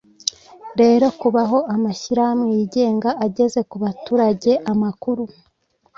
rero kubaho amashyirahamwe yigenga ageza ku baturage amakuru